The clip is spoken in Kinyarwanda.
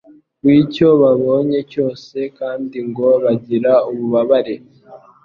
w’icyo babonye cyose, kandi ngo bagire ububabare